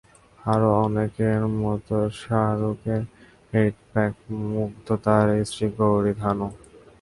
আরও অনেকের মতো শাহরুখের এইট প্যাকে মুগ্ধ তাঁর স্ত্রী গৌরী খানও।